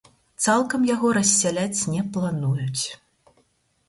Цалкам яго рассяляць не плануюць.